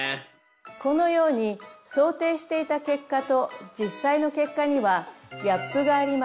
このように想定していた結果と実際の結果にはギャップがあります。